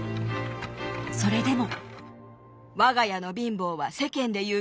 それでも。